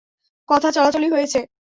কথা চালাচালি হয়েছে।